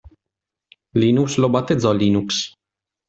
Linus lo battezzò Linux.